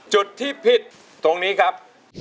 จุดที่ผิดตรงนี้ครับ